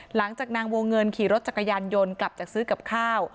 หลังจากนางวงเงินขี่รถจักรยานยนต์กลับจากซื้อกับข้าว